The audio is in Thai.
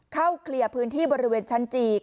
เคลียร์พื้นที่บริเวณชั้นจีก